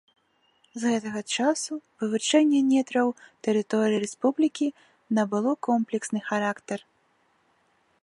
З гэтага часу вывучэнне нетраў тэрыторыі рэспублікі набыло комплексны характар.